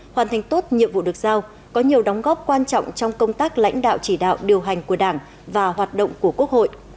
hoàn thành tốt nhiệm vụ được giao có nhiều đóng góp quan trọng trong công tác lãnh đạo chỉ đạo điều hành của đảng và hoạt động của quốc hội